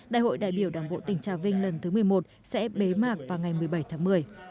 đại hội đại biểu đảng bộ tỉnh trà vinh lần thứ một mươi một sẽ bế mạc vào ngày một mươi bảy tháng một mươi